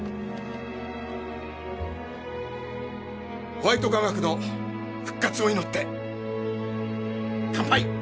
ホワイト化学の復活を祈って乾杯。